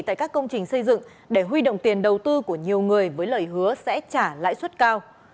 tại các công trình xây dựng để huy động tiền đầu tư của nhiều người với lời hứa sẽ trả lãi suất cao